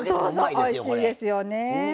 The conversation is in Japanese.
おいしいですよね。